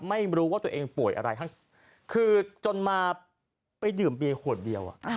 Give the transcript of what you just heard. ไม่รู้ว่าตัวเองป่วยอะไรทั้งคือจนมาไปดื่มเบียร์ขวดเดียว